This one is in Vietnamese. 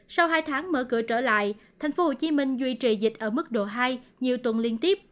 sau hai tháng mở cửa trở lại thành phố hồ chí minh duy trì dịch ở mức độ hai nhiều tuần liên tiếp